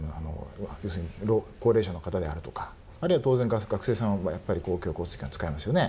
要するに高齢者の方であるとかあるいは当然、学生さんは公共交通機関、使いますよね。